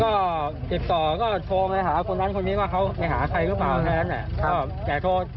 ก็ติดต่อก็โทรมาหาคนนั้นคนนี้ว่าเขาไปหาใครรึเปล่าแท้นเนี่ย